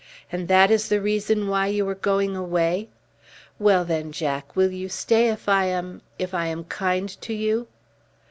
"And that is the reason why you are going away? Well then, Jack, will you stay if I am if I am kind to you?"